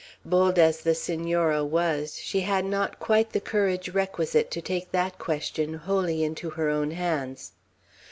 Bold as the Senora was, she had not quite the courage requisite to take that question wholly into her own hands.